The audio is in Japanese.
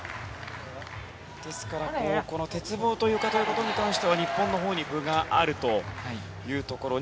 ですから鉄棒ということに関しては日本のほうに分があるというところ。